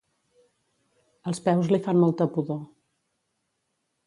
Els peus li fan molta pudor.